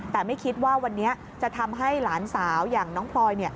แต่ไม่คิดว่าวันนี้จะทำให้หลานสาวอย่างน้องพลอย